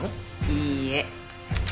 いいえ。